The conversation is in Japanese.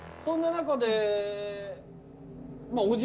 そんな中で。